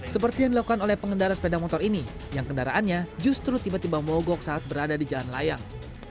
seperti yang dilakukan oleh pengendara sepeda motor ini yang kendaraannya justru tiba tiba mogok saat berada di jalan layang